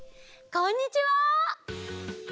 こんにちは！